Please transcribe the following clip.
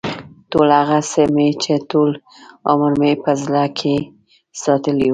ټول هغه څه مې چې ټول عمر مې په زړه کې ساتلي و.